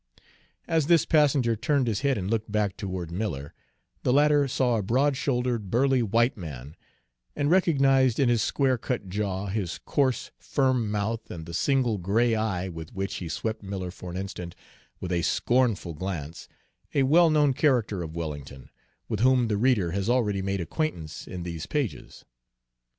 As this passenger turned his head and looked back toward Miller, the latter saw a broad shouldered, burly white man, and recognized in his square cut jaw, his coarse, firm mouth, and the single gray eye with which he swept Miller for an instant with a scornful glance, a well known character of Wellington, with whom the reader has already made acquaintance in these pages.